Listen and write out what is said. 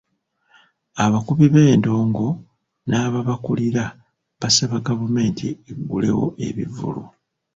Abakubi b'endongo n'ababakulira basaba gavumenti eggulewo ebivvulu.